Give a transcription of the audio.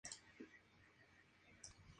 Todos se divierten incluso Calamardo.